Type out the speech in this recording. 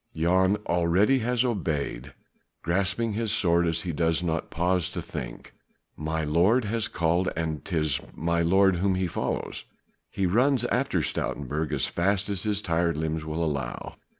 Jan already has obeyed, grasping his sword he does not pause to think. My lord has called and 'tis my lord whom he follows. He runs after Stoutenburg as fast as his tired limbs will allow.